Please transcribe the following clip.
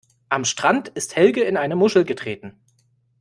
Am Strand ist Helge in eine Muschel getreten.